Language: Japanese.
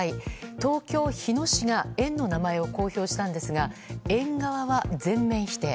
東京・日野市が園の名前を公表したんですが園側は全面否定。